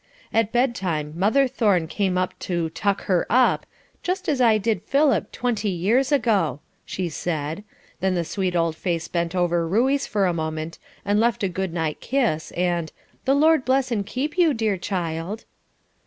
At bed time mother Thorne came up to "tuck her up," "just as I did Philip twenty years ago," she said; then the sweet old face bent over Ruey's for a moment and left a goodnight kiss, and "The Lord bless and keep you, dear child."